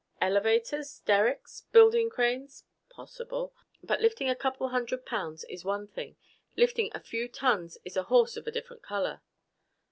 "Elevators? Derricks? Building cranes? Possible. But lifting a couple hundred pounds is one thing. Lifting a few tons is a horse of a different color.